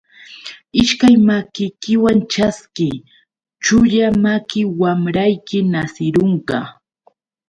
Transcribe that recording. Ishkay makikiwan ćhaskiy, chulla maki wamrayki nasirunqa.